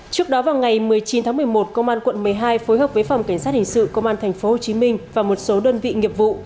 trước đó vào ngày một mươi chín tháng một mươi một công an quận một mươi hai phối hợp với phòng cảnh sát hình sự công an tp hcm và một số đơn vị nghiệp vụ